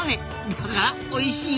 だからおいしいんタネ！